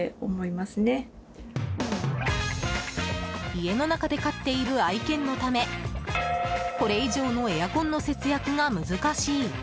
家の中で飼っている愛犬のためこれ以上のエアコンの節約が難しい。